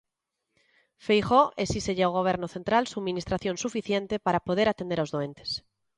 Feijóo esíxelle ao Goberno central subministración suficiente para poder atender os doentes.